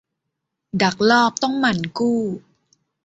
ดักลอบต้องหมั่นกู้